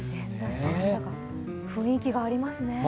雰囲気がありますね。